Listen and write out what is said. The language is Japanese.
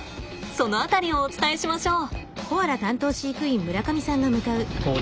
その辺りをお伝えしましょう。